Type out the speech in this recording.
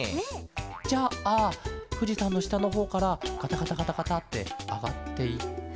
じゃあふじさんのしたのほうからガタガタガタガタってあがっていって。